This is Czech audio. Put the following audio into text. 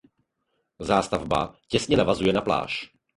Zástavba těsně navazuje na pláž.